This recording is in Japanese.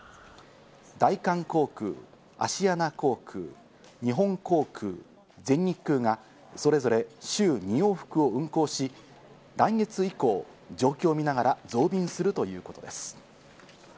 大韓航空、アシアナ航空、日本航空、全日空がそれぞれ週２往復を運航し、来月以降、状況を見ながら増便するということです。